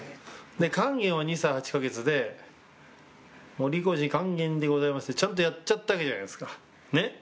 勸玄は２歳８か月で、堀越勸玄でございますって、ちゃんとやっちゃったわけじゃないですか。